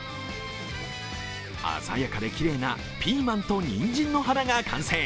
鮮やかできれいなピーマンとにんじんの花が完成。